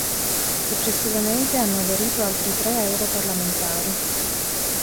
Successivamente, hanno aderito altri tre europarlamentari.